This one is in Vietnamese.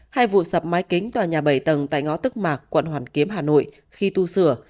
hai vụ sập mái kính tòa nhà bảy tầng tại ngõ tức mạc quận hoàn kiếm hà nội khi tu sửa